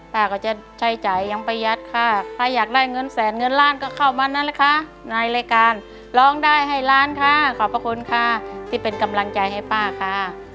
ป้าก็จะใช้จ่ายยังประยัดค่ะถ้าอยากได้เงินแสนเงินล้านก็เข้ามานั่นแหละค่ะในรายการร้องได้ให้ล้านค่ะขอบพระคุณค่ะที่เป็นกำลังใจให้ป้าค่ะ